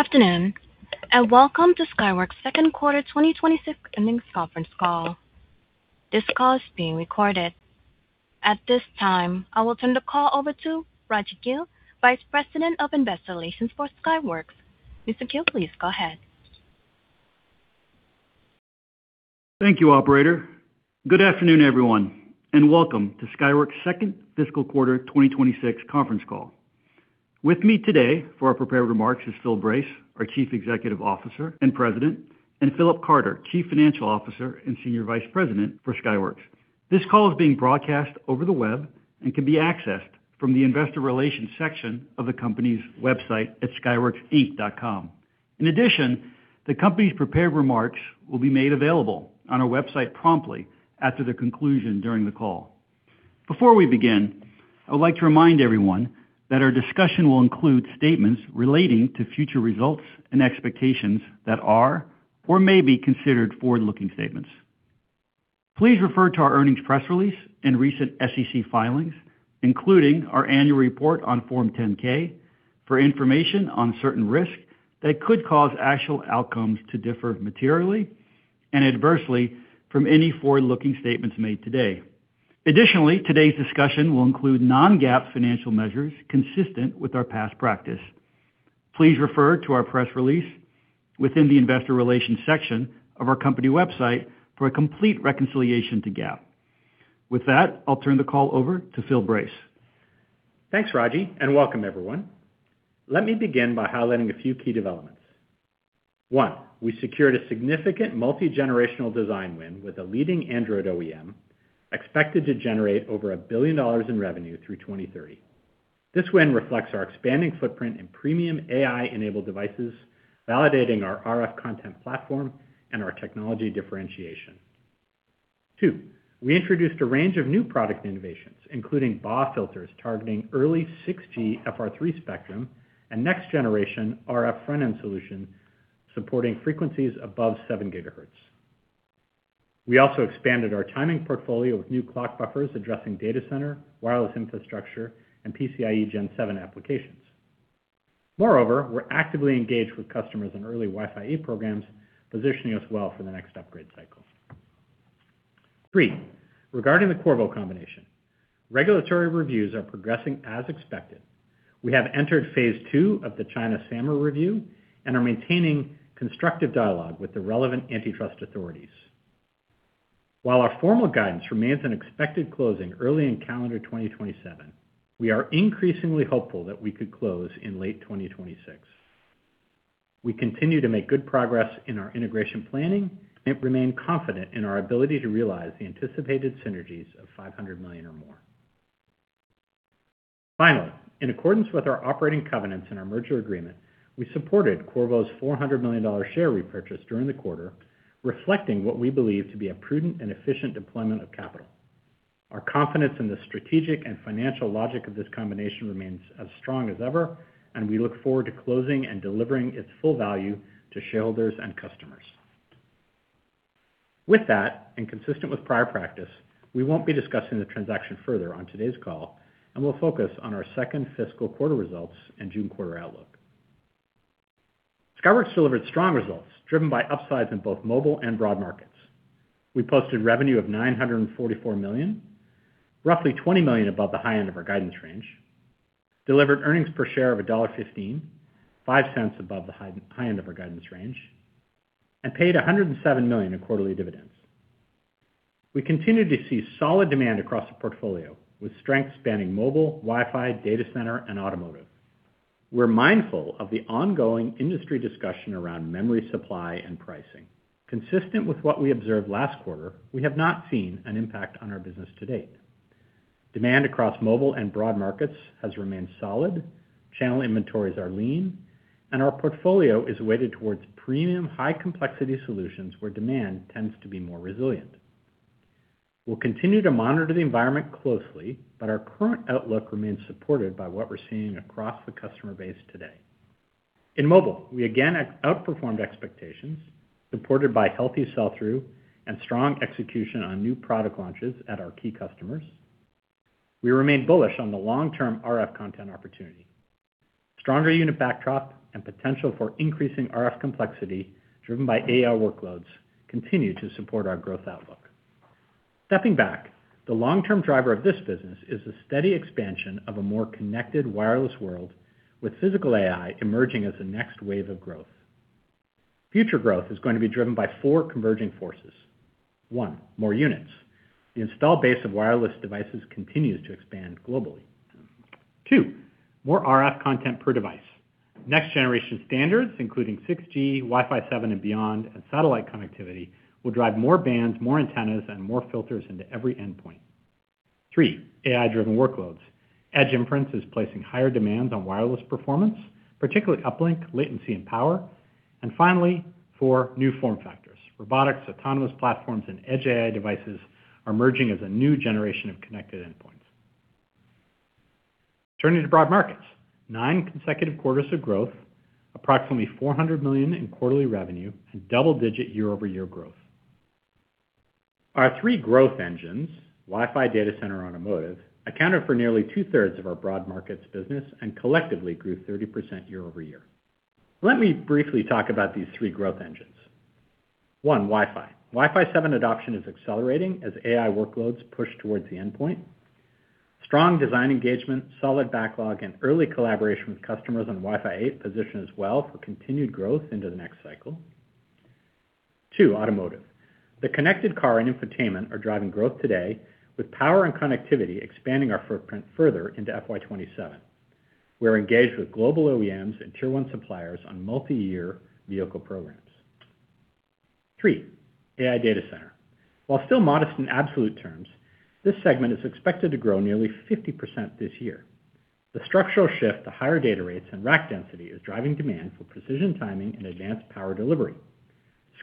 Good afternoon. Welcome to Skyworks' second quarter 2026 earnings conference call. This call is being recorded. At this time, I will turn the call over to Raji Gill, Vice President of Investor Relations for Skyworks. Mr. Gill, please go ahead. Thank you, operator. Good afternoon, everyone. Welcome to Skyworks' second fiscal quarter 2026 conference call. With me today for our prepared remarks is Philip Brace, our Chief Executive Officer and President, and Philip Carter, Chief Financial Officer and Senior Vice President for Skyworks. This call is being broadcast over the web and can be accessed from the investor relations section of the company's website at skyworksinc.com. Additionally, the company's prepared remarks will be made available on our website promptly after the conclusion during the call. Before we begin, I would like to remind everyone that our discussion will include statements relating to future results and expectations that are or may be considered forward-looking statements. Please refer to our earnings press release and recent SEC filings, including our annual report on Form 10-K, for information on certain risks that could cause actual outcomes to differ materially and adversely from any forward-looking statements made today. Additionally, today's discussion will include non-GAAP financial measures consistent with our past practice. Please refer to our press release within the investor relations section of our company website for a complete reconciliation to GAAP. With that, I'll turn the call over to Philip Brace. Thanks, Raji, and welcome everyone. Let me begin by highlighting a few key developments. One, we secured a significant multi-generational design win with a leading Android OEM expected to generate over a billion dollars in revenue through 2030. This win reflects our expanding footprint in premium AI-enabled devices, validating our RF content platform and our technology differentiation. Two, we introduced a range of new product innovations, including BAW filters targeting early 6G FR3 spectrum and next-generation RF frontend solutions supporting frequencies above 7 GHz. We also expanded our timing portfolio with new clock buffers addressing data center, wireless infrastructure, and PCIe Gen 7 applications. Moreover, we're actively engaged with customers in early Wi-Fi 8 programs, positioning us well for the next upgrade cycle. Three, regarding the Qorvo combination. Regulatory reviews are progressing as expected. We have entered Phase 2 of the China SAMR review and are maintaining constructive dialogue with the relevant antitrust authorities. While our formal guidance remains an expected closing early in calendar 2027, we are increasingly hopeful that we could close in late 2026. We continue to make good progress in our integration planning and remain confident in our ability to realize the anticipated synergies of $500 million or more. Finally, in accordance with our operating covenants in our merger agreement, we supported Qorvo's $400 million share repurchase during the quarter, reflecting what we believe to be a prudent and efficient deployment of capital. Our confidence in the strategic and financial logic of this combination remains as strong as ever. We look forward to closing and delivering its full value to shareholders and customers. With that, and consistent with prior practice, we won't be discussing the transaction further on today's call, and we'll focus on our second fiscal quarter results and June quarter outlook. Skyworks delivered strong results driven by upsides in both mobile and broad markets. We posted revenue of $944 million, roughly $20 million above the high end of our guidance range, delivered earnings per share of $1.15, $0.05 above the high end of our guidance range, and paid $107 million in quarterly dividends. We continue to see solid demand across the portfolio, with strength spanning mobile, Wi-Fi, data center, and automotive. We're mindful of the ongoing industry discussion around memory supply and pricing. Consistent with what we observed last quarter, we have not seen an impact on our business to date. Demand across mobile and broad markets has remained solid, channel inventories are lean, and our portfolio is weighted towards premium high-complexity solutions, where demand tends to be more resilient. We'll continue to monitor the environment closely, but our current outlook remains supported by what we're seeing across the customer base today. In mobile, we again outperformed expectations supported by healthy sell-through and strong execution on new product launches at our key customers. We remain bullish on the long-term RF content opportunity. Stronger unit backdrop and potential for increasing RF complexity driven by AI workloads continue to support our growth outlook. Stepping back, the long-term driver of this business is the steady expansion of a more connected wireless world, with physical AI emerging as the next wave of growth. Future growth is going to be driven by four converging forces. One, more units. The installed base of wireless devices continues to expand globally. Two, more RF content per device. Next-generation standards, including 6G, Wi-Fi 7 and beyond, and satellite connectivity, will drive more bands, more antennas, and more filters into every endpoint. Three, AI-driven workloads. Edge inference is placing higher demands on wireless performance, particularly uplink, latency, and power. Finally, four, new form factors. Robotics, autonomous platforms, and edge AI devices are emerging as a new generation of connected endpoints. Turning to broad markets. Nine consecutive quarters of growth, approximately $400 million in quarterly revenue, and double-digit year-over-year growth. Our three growth engines, Wi-Fi data center automotive, accounted for nearly 2/3 of our broad markets business and collectively grew 30% year-over-year. Let me briefly talk about these three growth engines. One, Wi-Fi. Wi-Fi 7 adoption is accelerating as AI workloads push towards the endpoint. Strong design engagement, solid backlog, and early collaboration with customers on Wi-Fi 8 position as well for continued growth into the next cycle. Two, automotive. The connected car and infotainment are driving growth today, with power and connectivity expanding our footprint further into FY 2027. We're engaged with global OEMs and tier-one suppliers on multi-year vehicle programs. Three, AI data center. While still modest in absolute terms, this segment is expected to grow nearly 50% this year. The structural shift to higher data rates and rack density is driving demand for precision timing and advanced power delivery.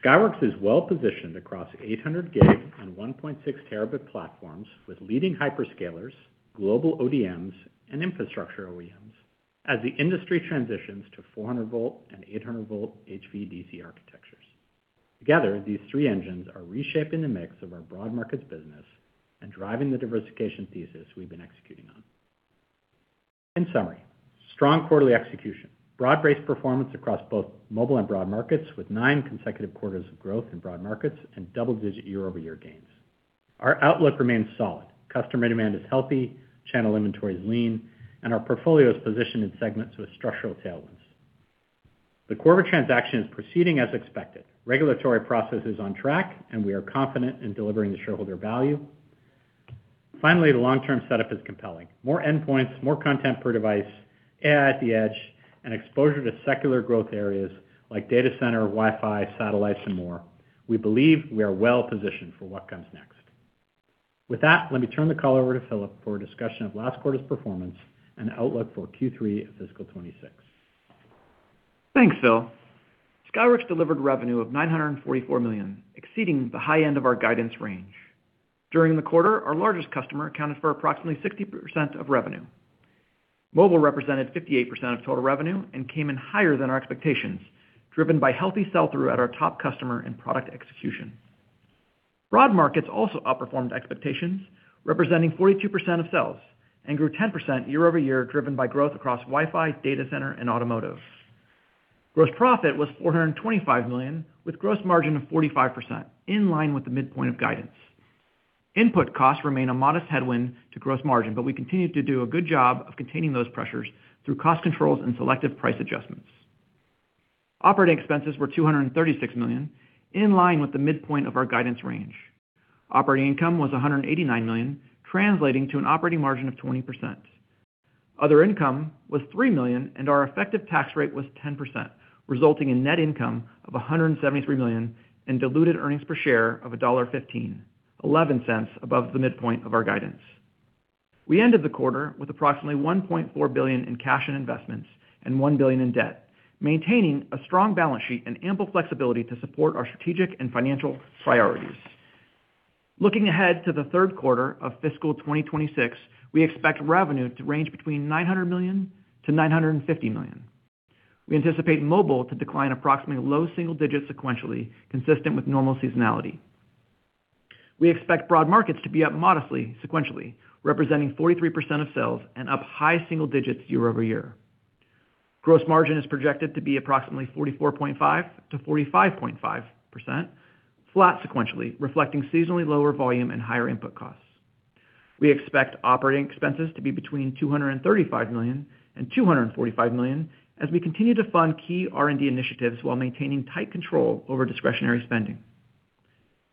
Skyworks is well-positioned across 800 GHz and 1.6 terabit platforms with leading hyperscalers, global ODMs, and infrastructure OEMs as the industry transitions to 400 volt and 800 volt HVDC architectures. Together, these three engines are reshaping the mix of our broad markets business and driving the diversification thesis we've been executing on. In summary, strong quarterly execution. Broad-based performance across both mobile and broad markets, with nine consecutive quarters of growth in broad markets and double-digit year-over-year gains. Our outlook remains solid. Customer demand is healthy, channel inventory is lean, and our portfolio is positioned in segments with structural tailwinds. The Qorvo transaction is proceeding as expected. Regulatory process is on track, and we are confident in delivering the shareholder value. Finally, the long-term setup is compelling. More endpoints, more content per device, AI at the edge, and exposure to secular growth areas like data center, Wi-Fi, satellites, and more. We believe we are well-positioned for what comes next. With that, let me turn the call over to Philip for a discussion of last quarter's performance and outlook for Q3 fiscal 2026. Thanks, Philip. Skyworks delivered revenue of $944 million, exceeding the high end of our guidance range. During the quarter, our largest customer accounted for approximately 60% of revenue. Mobile represented 58% of total revenue and came in higher than our expectations, driven by healthy sell-through at our top customer and product execution. Broad markets also outperformed expectations, representing 42% of sales and grew 10% year-over-year, driven by growth across Wi-Fi, data center, and automotive. Gross profit was $425 million, with gross margin of 45%, in line with the midpoint of guidance. Input costs remain a modest headwind to gross margin, but we continue to do a good job of containing those pressures through cost controls and selective price adjustments. Operating expenses were $236 million, in line with the midpoint of our guidance range. Operating income was $189 million, translating to an operating margin of 20%. Other income was $3 million, and our effective tax rate was 10%, resulting in net income of $173 million and diluted earnings per share of $1.15, $0.11 above the midpoint of our guidance. We ended the quarter with approximately $1.4 billion in cash and investments and $1 billion in debt, maintaining a strong balance sheet and ample flexibility to support our strategic and financial priorities. Looking ahead to the third quarter of fiscal 2026, we expect revenue to range between $900 million-$950 million. We anticipate mobile to decline approximately low single digits sequentially, consistent with normal seasonality. We expect broad markets to be up modestly sequentially, representing 43% of sales and up high single digits year-over-year. Gross margin is projected to be approximately 44.5%-45.5%, flat sequentially, reflecting seasonally lower volume and higher input costs. We expect operating expenses to be between $235 million and $245 million as we continue to fund key R&D initiatives while maintaining tight control over discretionary spending.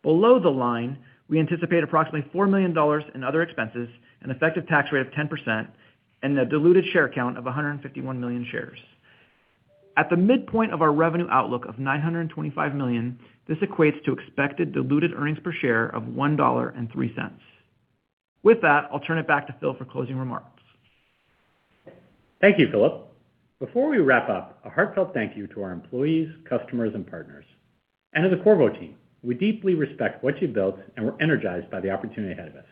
Below the line, we anticipate approximately $4 million in other expenses, an effective tax rate of 10%, and a diluted share count of 151 million shares. At the midpoint of our revenue outlook of $925 million, this equates to expected diluted earnings per share of $1.03. With that, I'll turn it back to Philip for closing remarks. Thank you, Philip. Before we wrap up, a heartfelt thank you to our employees, customers, and partners, and to the Qorvo team. We deeply respect what you've built, and we're energized by the opportunity ahead of us.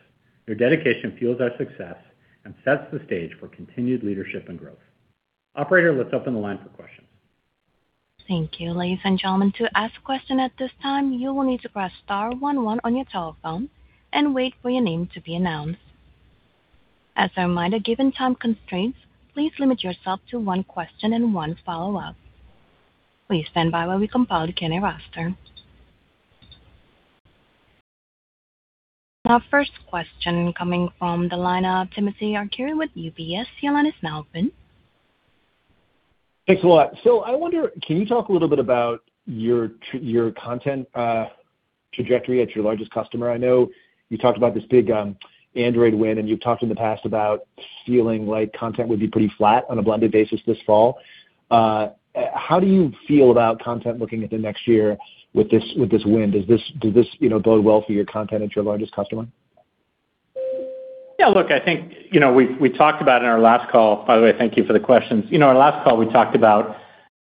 Your dedication fuels our success and sets the stage for continued leadership and growth. Operator, let's open the line for questions. Thank you. Ladies and gentlemen, to ask a question at this time, you will need to press star one one on your telephone and wait for your name to be announced. As a reminder, given time constraints, please limit yourself to one question and one follow-up. Please stand by while we compile the Q&A roster. Our first question coming from the line of Timothy Arcuri with UBS. Your line is now open. Thanks a lot. Philip, I wonder, can you talk a little bit about your content trajectory at your largest customer? I know you talked about this big Android win, and you've talked in the past about feeling like content would be pretty flat on a blended basis this fall. How do you feel about content looking at the next year with this, with this win? Does this, you know, bode well for your content at your largest customer? Yeah, look, I think, you know, we talked about in our last call. By the way, thank you for the questions. You know, in our last call, we talked about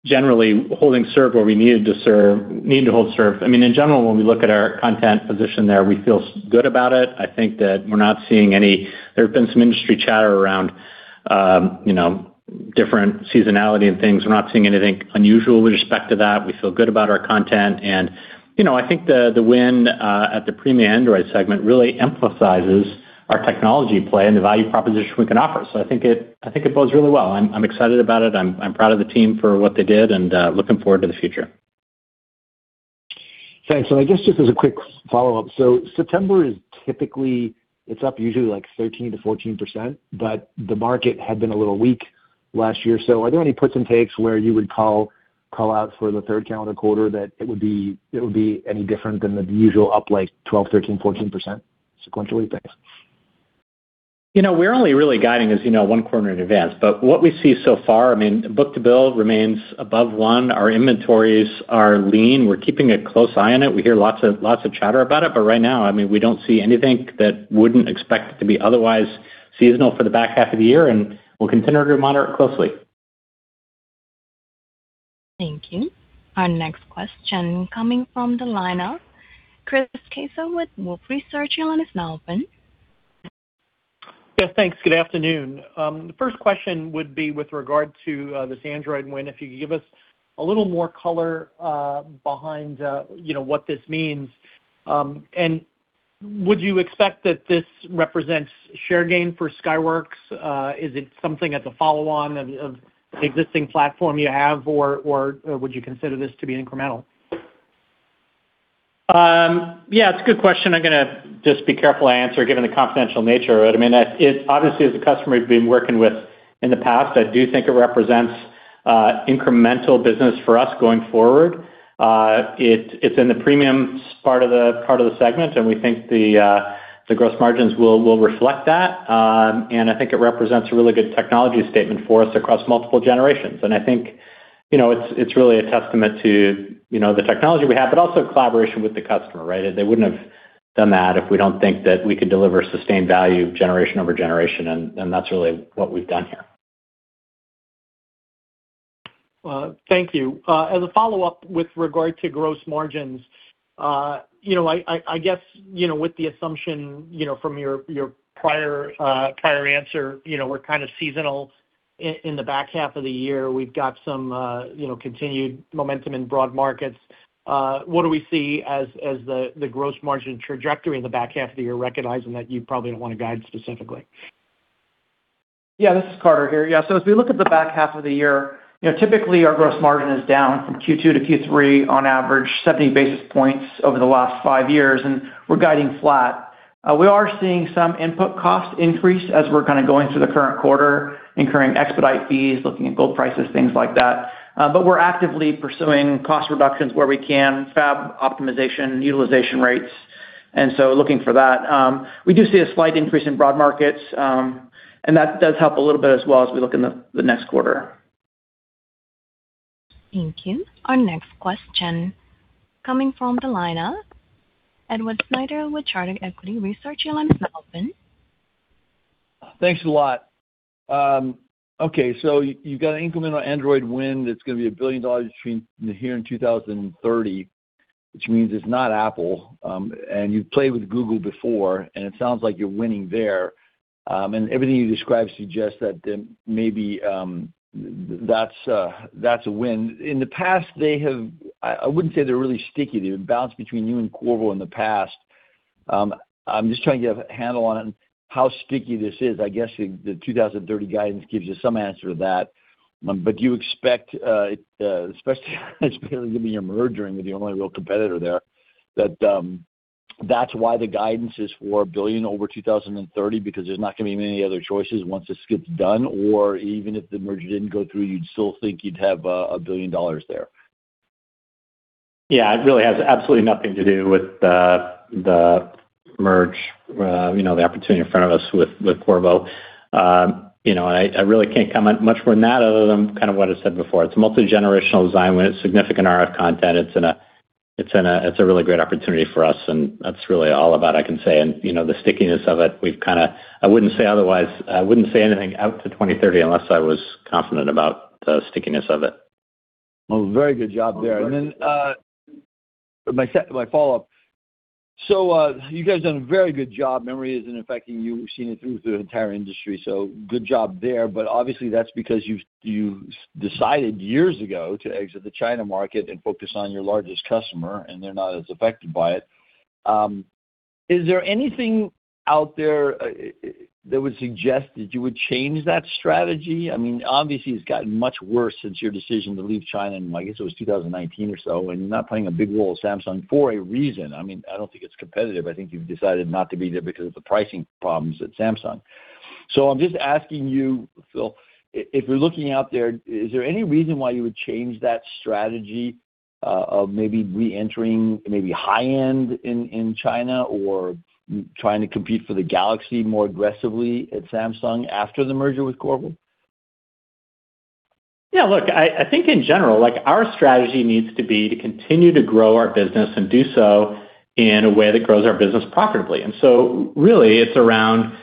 generally holding serve where we needed to hold serve. I mean, in general, when we look at our content position there, we feel good about it. I think that we're not seeing any. There have been some industry chatter around different seasonality and things. We're not seeing anything unusual with respect to that. We feel good about our content. You know, I think the win at the premium Android segment really emphasizes our technology play and the value proposition we can offer. I think it bodes really well. I'm excited about it. I'm proud of the team for what they did, and looking forward to the future. Thanks. I guess just as a quick follow-up. September is typically it's up usually like 13%-14%, but the market had been a little weak last year. Are there any puts and takes where you would call out for the third calendar quarter that it would be any different than the usual up like 12%, 13%, 14% sequentially? Thanks. You know, we're only really guiding, as you know, one quarter in advance, but what we see so far, I mean, book-to-bill remains above one. Our inventories are lean. We're keeping a close eye on it. We hear lots of chatter about it, but right now, I mean, we don't see anything that wouldn't expect to be otherwise seasonal for the back half of the year, and we'll continue to monitor it closely. Thank you. Our next question coming from the line of Chris Caso with Wolfe Research. Yeah, thanks. Good afternoon. The first question would be with regard to this Android win. If you could give us a little more color behind, you know, what this means. Would you expect that this represents share gain for Skyworks? Is it something that's a follow-on of the existing platform you have or would you consider this to be incremental? Yeah, it's a good question. I'm gonna just be careful I answer, given the confidential nature of it. I mean, it obviously is a customer we've been working with in the past. I do think it represents incremental business for us going forward. It's in the premium part of the segment, and we think the gross margins will reflect that. I think it represents a really good technology statement for us across multiple generations. I think, you know, it's really a testament to, you know, the technology we have, but also collaboration with the customer, right? They wouldn't have done that if we don't think that we could deliver sustained value generation over generation, and that's really what we've done here. Well, thank you. As a follow-up with regard to gross margins, you know, I guess, you know, with the assumption, you know, from your prior answer, you know, we're kind of seasonal in the back half of the year. We've got some, you know, continued momentum in broad markets. What do we see as the gross margin trajectory in the back half of the year, recognizing that you probably don't wanna guide specifically? This is Carter here. As we look at the back half of the year, you know, typically our gross margin is down from Q2 to Q3 on average, 70 basis points over the last five years, and we're guiding flat. We are seeing some input cost increase as we're kind of going through the current quarter, incurring expedite fees, looking at gold prices, things like that. We're actively pursuing cost reductions where we can, fab optimization, utilization rates, looking for that. We do see a slight increase in broad markets, and that does help a little bit as well as we look in the next quarter. Thank you. Our next question coming from the line of Edward Snyder with Charter Equity Research. Your line is now open. Thanks a lot. You got an incremental Android win that's gonna be $1 billion between here and 2030, which means it's not Apple. You've played with Google before, and it sounds like you're winning there. Everything you described suggests that maybe that's a win. I wouldn't say they're really sticky. They would bounce between you and Qorvo in the past. I'm just trying to get a handle on how sticky this is. I guess the 2030 guidance gives you some answer to that. Do you expect, it, especially considering there is going to be a merger and you are the only real competitor there, that is why the guidance is $4 billion over 2030 because there is not going to be many other choices once this gets done, or even if the merger did not go through, you would still think you would have a $1 billion there? Yeah. It really has absolutely nothing to do with the merge, you know, the opportunity in front of us with Qorvo. You know, I really can't comment much more than that other than kind of what I said before. It's a multi-generational design. When it's significant RF content, it's a really great opportunity for us, and that's really all about I can say. You know, the stickiness of it. I wouldn't say otherwise. I wouldn't say anything out to 2030 unless I was confident about the stickiness of it. Well, very good job there. My follow-up. You guys done a very good job. Memory isn't affecting you. We've seen it through the entire industry. Good job there. Obviously, that's because you've decided years ago to exit the China market and focus on your largest customer, and they're not as affected by it. Is there anything out there that would suggest that you would change that strategy? I mean, obviously, it's gotten much worse since your decision to leave China, and I guess it was 2019 or so, and you're not playing a big role at Samsung for a reason. I mean, I don't think it's competitive. I think you've decided not to be there because of the pricing problems at Samsung. I'm just asking you, Philip, if you're looking out there, is there any reason why you would change that strategy of maybe reentering maybe high-end in China or trying to compete for the Galaxy more aggressively at Samsung after the merger with Qorvo? Yeah. Look, I think in general, like, our strategy needs to be to continue to grow our business and do so in a way that grows our business profitably. Really it's around,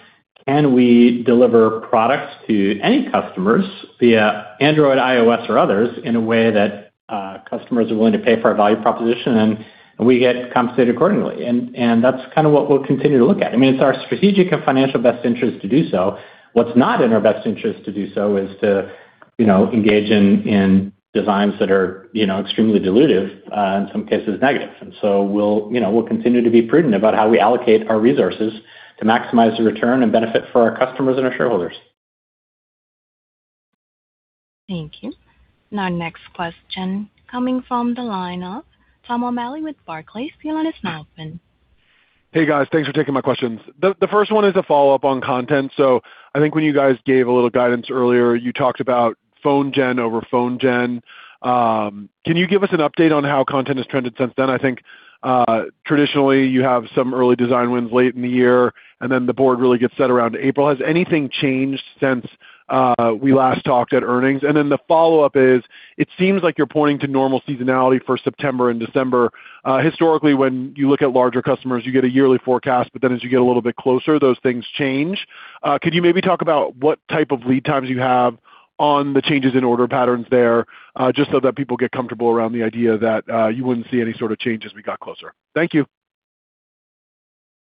can we deliver products to any customers via Android, iOS or others in a way that customers are willing to pay for our value proposition and we get compensated accordingly. That's kinda what we'll continue to look at. I mean, it's our strategic and financial best interest to do so. What's not in our best interest to do so is to, you know, engage in designs that are, you know, extremely dilutive, in some cases negative. We'll, you know, we'll continue to be prudent about how we allocate our resources to maximize the return and benefit for our customers and our shareholders. Thank you. Next question coming from the line of Thomas O'Malley with Barclays. Your line is now open. Hey, guys. Thanks for taking my questions. The first one is a follow-up on content. I think when you guys gave a little guidance earlier, you talked about phone gen over phone gen. Can you give us an update on how content has trended since then? I think traditionally you have some early design wins late in the year, and the board really gets set around April. Has anything changed since we last talked at earnings? The follow-up is, it seems like you're pointing to normal seasonality for September and December. Historically, when you look at larger customers, you get a yearly forecast, but then as you get a little bit closer, those things change. Could you maybe talk about what type of lead times you have on the changes in order patterns there, just so that people get comfortable around the idea that, you wouldn't see any sort of change as we got closer? Thank you.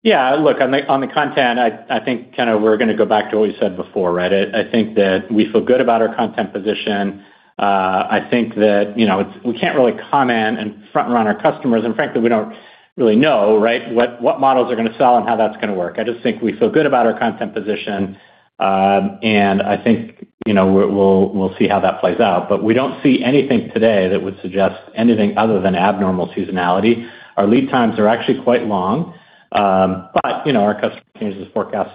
Yeah, look, on the content, I think kind of we're gonna go back to what we said before, right? I think that we feel good about our content position. I think that, you know, we can't really comment and front-run our customers, and frankly, we don't really know, right, what models are gonna sell and how that's gonna work. I just think we feel good about our content position. I think, you know, we'll see how that plays out. We don't see anything today that would suggest anything other than abnormal seasonality. Our lead times are actually quite long. You know, our customer changes forecasts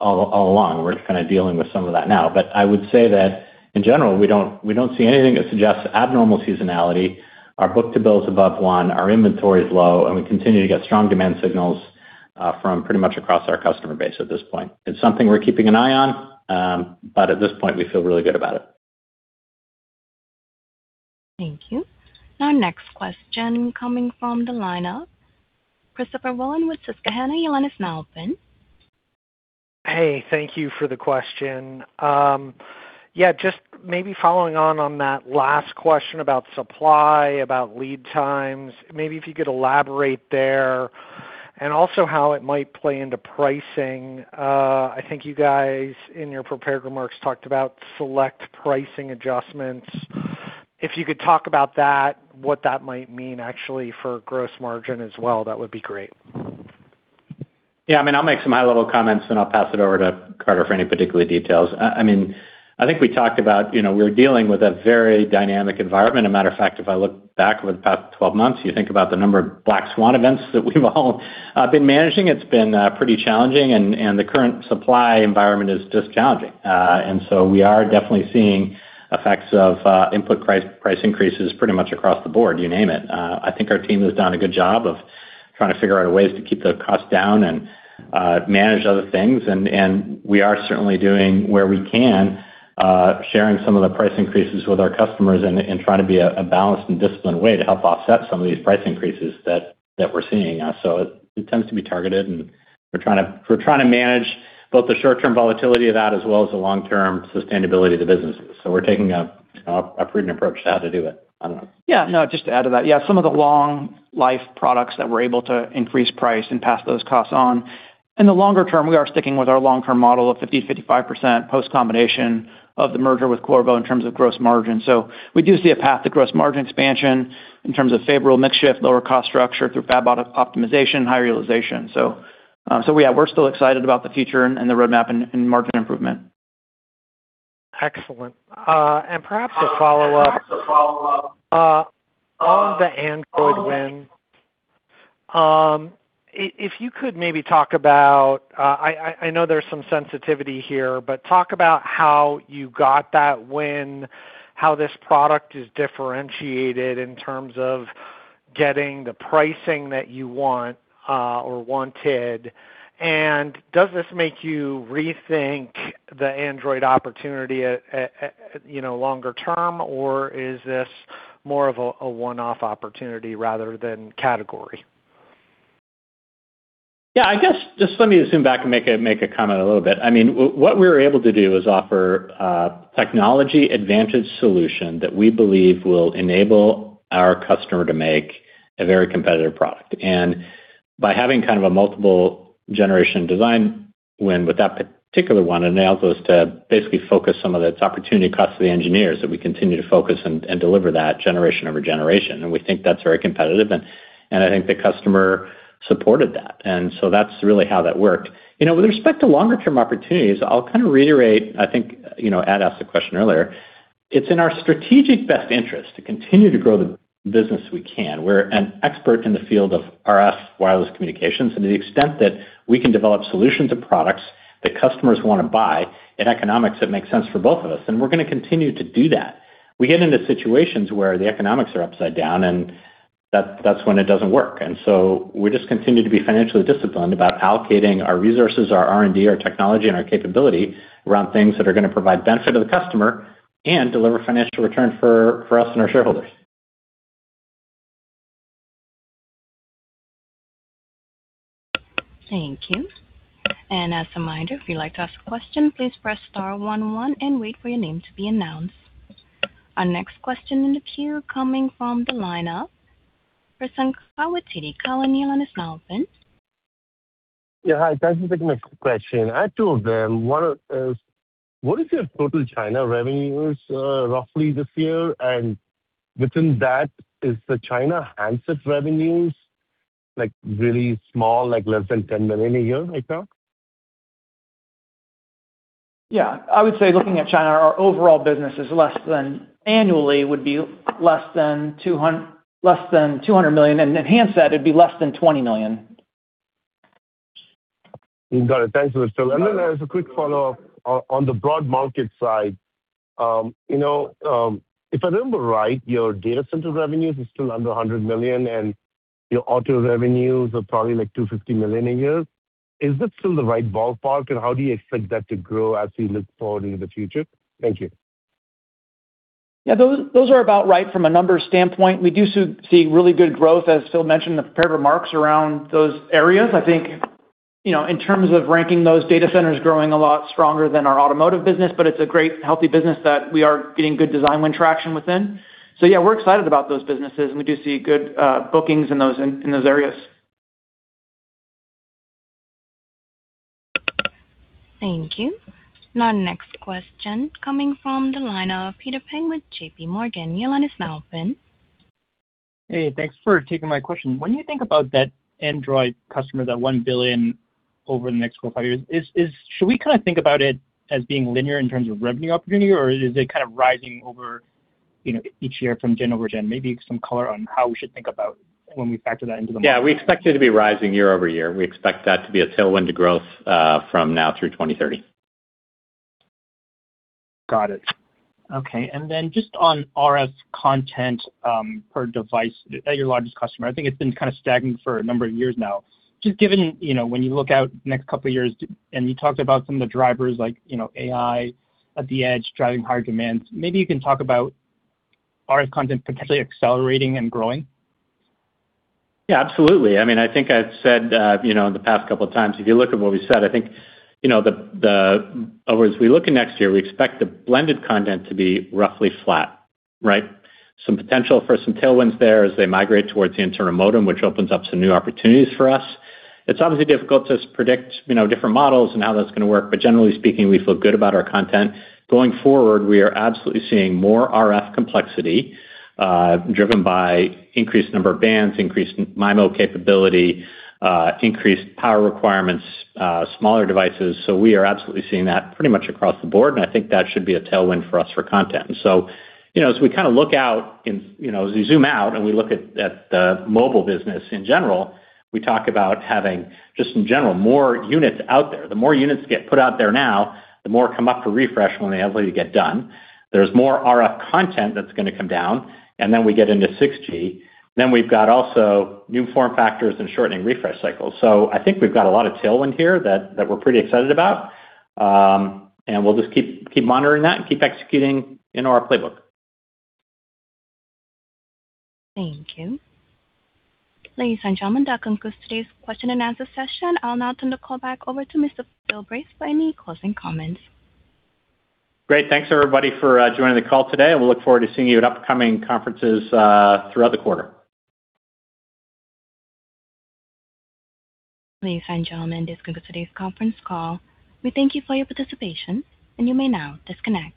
all along. We're kind of dealing with some of that now. I would say that in general, we don't see anything that suggests abnormal seasonality. Our book-to-bill is above one, our inventory is low, and we continue to get strong demand signals from pretty much across our customer base at this point. It's something we're keeping an eye on, but at this point we feel really good about it. Thank you. Our next question coming from the line of Christopher Rolland with Susquehanna. Your line is now open. Hey, thank you for the question. Yeah, just maybe following on that last question about supply, about lead times, maybe if you could elaborate there, and also how it might play into pricing. I think you guys in your prepared remarks talked about select pricing adjustments. If you could talk about that, what that might mean actually for gross margin as well, that would be great. I mean, I'll make some high-level comments, then I'll pass it over to Carter for any particular details. I mean, I think we talked about, you know, we're dealing with a very dynamic environment. A matter of fact, if I look back over the past 12 months, you think about the number of black swan events that we've all been managing. It's been pretty challenging and the current supply environment is just challenging. We are definitely seeing effects of input price increases pretty much across the board, you name it. I think our team has done a good job of trying to figure out ways to keep the cost down and manage other things. We are certainly doing where we can, sharing some of the price increases with our customers and trying to be a balanced and disciplined way to help offset some of these price increases that we're seeing. It tends to be targeted, and we're trying to manage both the short-term volatility of that as well as the long-term sustainability of the businesses. We're taking a, you know, a prudent approach to how to do it. I don't know. Just to add to that, some of the long life products that we're able to increase price and pass those costs on. In the longer term, we are sticking with our long-term model of 50%-55% post combination of the merger with Qorvo in terms of gross margin. We do see a path to gross margin expansion in terms of favorable mix shift, lower cost structure through fab optimization, higher utilization. We're still excited about the future and the roadmap and margin improvement. Excellent. Perhaps a follow-up. On the Android win, if you could maybe talk about, I know there's some sensitivity here, but talk about how you got that win, how this product is differentiated in terms of getting the pricing that you want, or wanted. Does this make you rethink the Android opportunity at, you know, longer term or is this more of a one-off opportunity rather than category? I guess just let me zoom back and make a comment a little bit. I mean what we were able to do is offer a technology advantage solution that we believe will enable our customer to make a very competitive product. By having kind of a multiple generation design win with that particular one enables us to basically focus some of the opportunity costs of the engineers that we continue to focus and deliver that generation over generation. We think that's very competitive and I think the customer supported that. That's really how that worked. You know, with respect to longer term opportunities, I'll kind of reiterate, I think, you know, Edward Snyder asked a question earlier. It's in our strategic best interest to continue to grow the business we can. We're an expert in the field of RF wireless communications. To the extent that we can develop solutions and products that customers wanna buy and economics that make sense for both of us, then we're gonna continue to do that. We get into situations where the economics are upside down, and that's when it doesn't work. We just continue to be financially disciplined about allocating our resources, our R&D, our technology, and our capability around things that are gonna provide benefit to the customer and deliver financial return for us and our shareholders. Thank you. As a reminder, if you'd like to ask a question, please press star one one and wait for your name to be announced. Our next question in the queue coming from the line of Krish Sankar. Your line is now open. Yeah, hi. Thanks for taking my question. I have two of them. One is, what is your total China revenues, roughly this year? Within that, is the China handset revenues, like, really small, like less than $10 million a year right now? Yeah. I would say looking at China, our overall business is annually less than $200 million. In handset, it'd be less than $20 million. Got it. Thanks, Mr. You're welcome. As a quick follow-up on the broad market side. You know, if I remember right, your data center revenues is still under $100 million, and your auto revenues are probably like $250 million a year. Is that still the right ballpark, and how do you expect that to grow as we look forward into the future? Thank you. Yeah, those are about right from a numbers standpoint. We do see really good growth, as Philip mentioned in the prepared remarks, around those areas. I think, you know, in terms of ranking those data centers growing a lot stronger than our automotive business, but it's a great, healthy business that we are getting good design win traction within. Yeah, we're excited about those businesses, and we do see good bookings in those areas. Thank you. Our next question coming from the line of Peter Peng with JPMorgan. Your line is now open. Hey, thanks for taking my question. When you think about that Android customer, that 1 billion over the next four or five years, should we kinda think about it as being linear in terms of revenue opportunity, or is it kind of rising over, you know, each year from gen over gen? Maybe some color on how we should think about when we factor that into the model. Yeah, we expect it to be rising year-over-year. We expect that to be a tailwind to growth from now through 2030. Got it. Okay. Then just on RF content per device at your largest customer. I think it's been kind of stagnant for a number of years now. Just given, you know, when you look out next couple of years, and you talked about some of the drivers like, you know, AI at the edge driving higher demands. Maybe you can talk about RF content potentially accelerating and growing. Yeah, absolutely. I mean, I think I've said, you know, in the past couple of times, if you look at what we said, I think, you know, as we look at next year, we expect the blended content to be roughly flat, right? Some potential for some tailwinds there as they migrate towards the internal modem, which opens up some new opportunities for us. It's obviously difficult to predict, you know, different models and how that's gonna work, but generally speaking, we feel good about our content. Going forward, we are absolutely seeing more RF complexity, driven by increased number of bands, increased MIMO capability, increased power requirements, smaller devices. We are absolutely seeing that pretty much across the board, and I think that should be a tailwind for us for content. You know, as we kinda look out and, you know, as we zoom out and we look at the mobile business in general, we talk about having, just in general, more units out there. The more units get put out there now, the more come up for refresh when they eventually get done. There's more RF content that's gonna come down, and then we get into 6G. We've got also new form factors and shortening refresh cycles. I think we've got a lot of tailwind here that we're pretty excited about. We'll just keep monitoring that and keep executing in our playbook. Thank you. Ladies and gentlemen, that concludes today's question and answer session. I'll now turn the call back over to Mr. Philip Brace for any closing comments. Great. Thanks, everybody, for joining the call today. We look forward to seeing you at upcoming conferences throughout the quarter. Ladies and gentlemen, this concludes today's conference call. We thank you for your participation, and you may now disconnect.